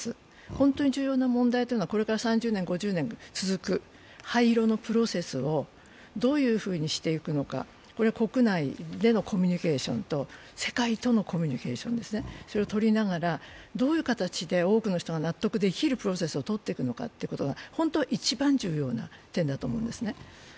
本当に重要な問題というのはこれから３０年、５０年続く廃炉のプロセスをどういうふうにしていくのか、国内でのコミュニケーションと世界とのコミュニケーションそれを取りながら、どういう形で多くの方が納得できるプロセスをとっていくのか、本当は一番重要な点だと思いますね。